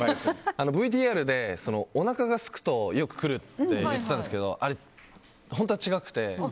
ＶＴＲでおなかがすくとよく来るって言っていたんですけどあれ、本当は違くて。